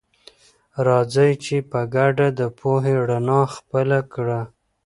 راځئ چې په ګډه د پوهې رڼا خپله کړه.